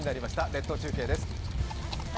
列島中継です。